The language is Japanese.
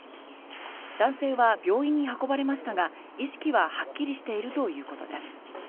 男性は病院に運ばれましたが意識ははっきりしているということです。